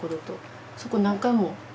そこ何回も。